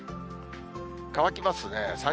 乾きますね。